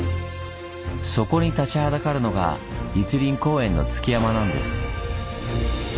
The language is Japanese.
そこに立ちはだかるのが栗林公園の築山なんです。